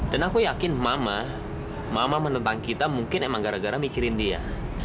dan aku yakin mama mama menentang kita mungkin emang gara gara mikirin dia